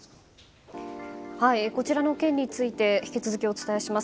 こちらの件について引き続きお伝えします。